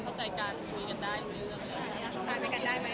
เข้าใจกันคุยกันได้รู้เรื่อง